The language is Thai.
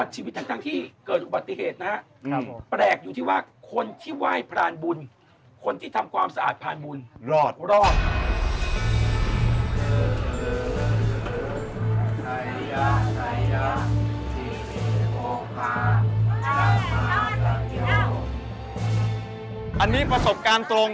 เจอใส่หยาชีวิตโภคคาตัวสามารถเมียว